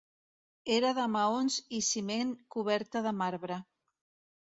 Era de maons i ciment coberta de marbre.